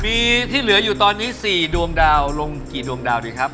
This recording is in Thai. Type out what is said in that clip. มีที่เหลืออยู่ตอนนี้๔ดวงดาวลงกี่ดวงดาวดีครับ